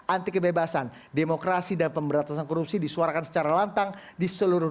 anti kebebasan demokrasi dan pemberantasan korupsi disuarakan secara lantang di seluruh